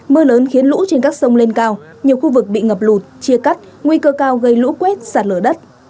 mưa lớn khiến lũ trên các sông lên cao nhiều khu vực bị ngập lụt chia cắt nguy cơ cao gây lũ quét sạt lở đất